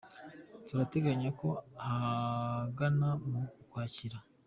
turateganya ko ahagana mu Ukwakira.